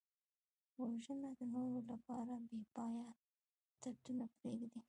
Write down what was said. وژنه د نورو لپاره بېپایه دردونه پرېږدي